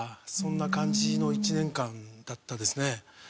そんな感じの一年間だったですね。